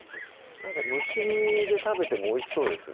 蒸し煮で食べてもおいしそうですね